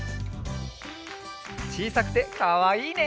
ちいさくてかわいいね！